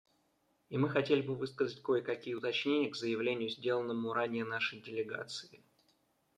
И мы хотели бы высказать кое-какие уточнения к заявлению, сделанному ранее нашей делегацией.